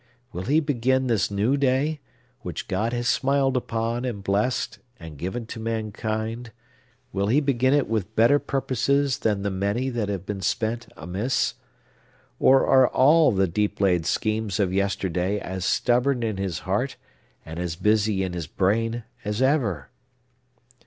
Will he begin this new day,—which God has smiled upon, and blessed, and given to mankind,—will he begin it with better purposes than the many that have been spent amiss? Or are all the deep laid schemes of yesterday as stubborn in his heart, and as busy in his brain, as ever?